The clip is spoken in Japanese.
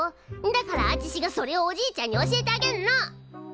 だからあちしがそれをおじいちゃんに教えてあげんの！